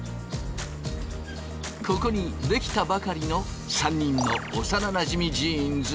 ここに出来たばかりの３人の幼なじみジーンズがいた。